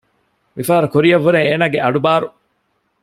މި ފަހަރު ކުރިއަށްވުރެ އޭނާގެ އަޑު ބާރު